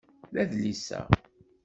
D adlis-a.